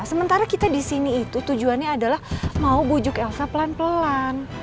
sementara kita di sini itu tujuannya adalah mau bujuk elsa pelan pelan